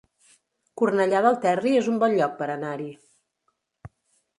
Cornellà del Terri es un bon lloc per anar-hi